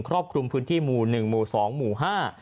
รอบคลุมพื้นที่หมู่หนึ่งหมู่สองหมู่ห้า